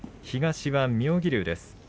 東は妙義龍です。